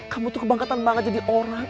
kamu tuh kebangkatan banget jadi orang